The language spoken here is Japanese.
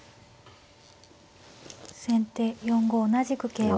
先手４五同じく桂馬。